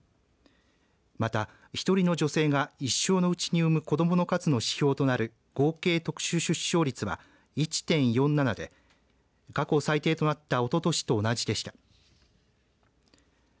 また、１人の女性が一生のうちに産む子どもの数の指標となる合計特殊出生率は１．４７で過去最低となったおととしと同じでした。